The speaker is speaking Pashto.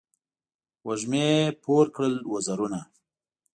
وږمې پور کړل وزرونه